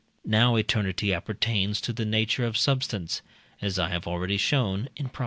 Now eternity appertains to the nature of substance (as I have already shown in Prop.